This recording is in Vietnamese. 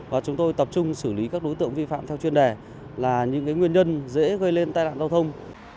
và chúng tôi tập trung xử lý các đối tượng vi phạm theo chuyên đề là những nguyên nhân dễ gây lên tai nạn giao thông